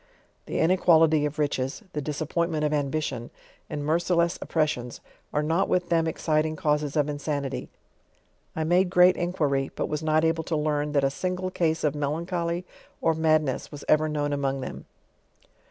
Tl:e inequality of riches, the disappointment of ambition, and mercileFB ofprcEs'one. are not with them exciting caus es of insanity. I made great inquiry, but was not able to learn, that a single case of melancholy or madness was ever known among them.